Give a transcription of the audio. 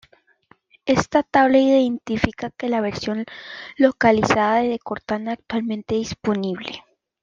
Esta tabla identifica la versión localizada de Cortana actualmente disponible.